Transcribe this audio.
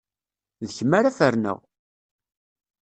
D kemm ara ferneɣ!